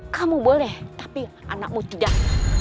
kamu boleh tapi anakmu tidak